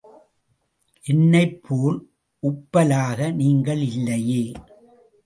என்னைப் போல் உப்பலாக நீங்கள் இல்லையே!